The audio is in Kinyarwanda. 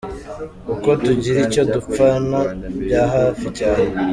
Kuko tugira icyo dupfana bya hafi cyane